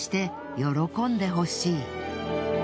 喜んでほしい。